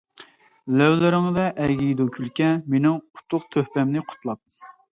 لەۋلىرىڭدە ئەگىيدۇ كۈلكە، مىنىڭ ئۇتۇق تۆھپەمنى قۇتلاپ.